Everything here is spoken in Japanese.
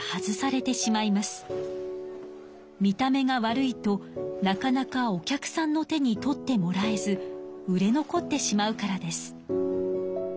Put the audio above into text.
見た目が悪いとなかなかお客さんの手に取ってもらえず売れ残ってしまうからです。